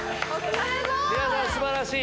皆さん素晴らしい！